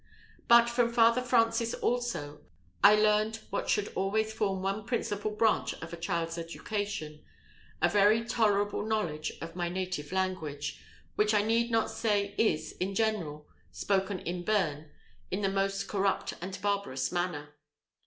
But from Father Francis, also, I learned what should always form one principal branch of a child's education a very tolerable knowledge of my native language, which I need not say is, in general, spoken in Bearn in the most corrupt and barbarous manner.